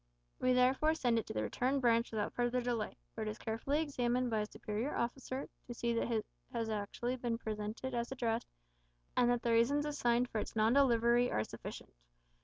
We therefore send it to the Returned Branch without further delay, where it is carefully examined by a superior officer, to see that it has actually been presented as addressed, and that the reasons assigned for its non delivery are sufficient.